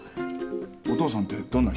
お父さんってどんな人？